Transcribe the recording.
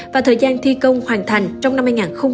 và thời gian thi công hoàn thành trong năm hai nghìn hai mươi